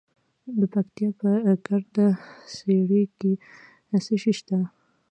د پکتیا په ګرده څیړۍ کې څه شی شته؟